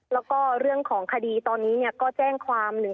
แล้วก็เรื่องของคดีตอนนี้ก็แจ้งความ